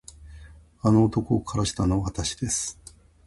あの男を殺したのはわたしです。